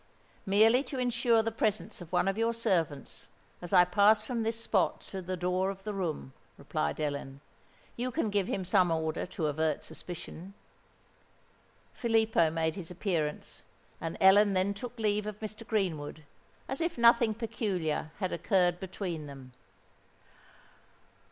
"Merely to ensure the presence of one of your servants, as I pass from this spot to the door of the room," replied Ellen. "You can give him some order to avert suspicion." Filippo made his appearance; and Ellen then took leave of Mr. Greenwood, as if nothing peculiar had occurred between them.